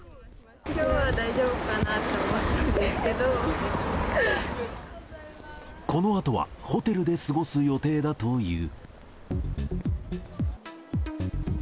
きょうは大丈夫かなと思ったこのあとはホテルで過ごす予定だという。